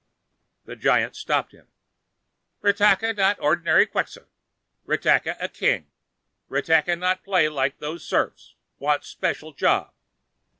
The giant stopped him. "Ratakka not ordinary Quxa; Ratakka a king. Ratakka not play like those serfs. Want special job."